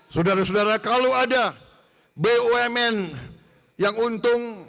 saudara saudara kalau ada bumn yang untung